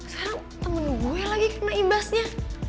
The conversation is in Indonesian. sekarang temen gue lagi kena imbasnya